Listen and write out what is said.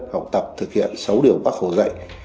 học tập thực hiện sáu điều bác hồ dạy